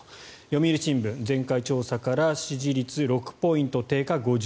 読売新聞、前回調査から支持率６ポイント低下５１％